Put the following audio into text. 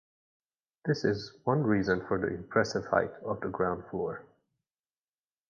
This is one reason for the impressive height of the ground floor.